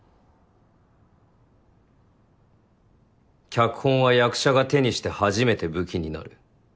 脚本は役者が手にして初めて武器になる。